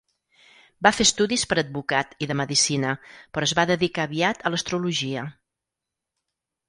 Va fer estudis per advocat i de medicina, però es va dedicar aviat a l'astrologia.